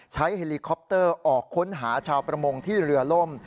เฮลิคอปเตอร์ออกค้นหาชาวประมงที่เรือล่ม